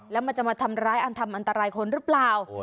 แล้วมันจะมาทำร้ายอันทำอันตรายคนหรือเปล่า